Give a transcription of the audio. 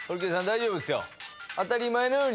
大丈夫ですよ。